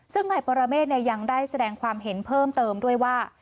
ซึ่งนายปรเมฆยังได้แสดงความเห็นเพิ่มเติมด้วยว่า